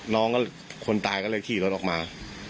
น้องก็คนตายก็เลยขี่รถออกมา